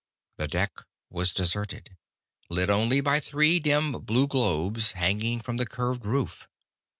The deck was deserted, lit only by three dim blue globes, hanging from the curved roof.